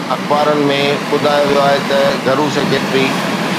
اخبارن ۾ ٻڌايو ويو آهي ته گهرو سيڪريٽري